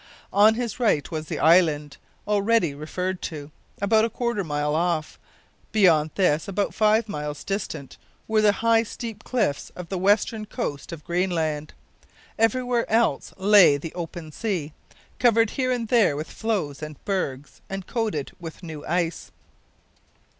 On his right was the island, already referred to, about a quarter of a mile off. Beyond this, about five miles distant, were the high steep cliffs of the western coast of Greenland. Everywhere else lay the open sea, covered here and there with floes and bergs, and coated with new ice.